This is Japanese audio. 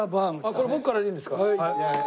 これ僕からでいいんですか？